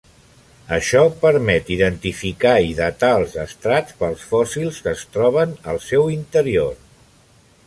Això permet identificar i datar els estrats pels fòssils que es troben al seu interior.